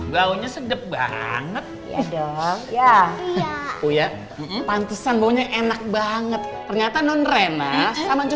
baunya sedap banget ya iya iya pantesan punya enak banget ternyata nonrena sama